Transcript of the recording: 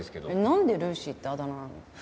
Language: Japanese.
なんでルーシーってあだ名なの？